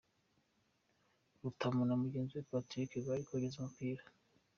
Rutamu na mugenzi we Patrick bari kogeza umupira.